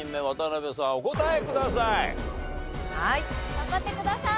頑張ってください！